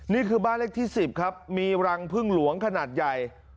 นี่คือบ้านเลขที่๑๐ครับมีรังพึ่งหลวงขนาดใหญ่